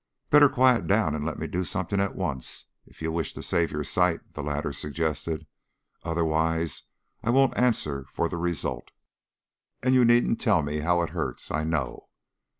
"Better quiet down and let me do something at once, if you wish to save your sight," the latter suggested. "Otherwise I won't answer for the result. And you needn't tell me how it hurts. I know."